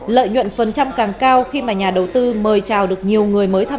lợi nhuận phần trăm càng cao khi mà nhà đầu tư mời trả tiền